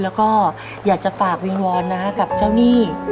แล้วก็อยากจะฝากวิงวอนนะกับเจ้าหนี้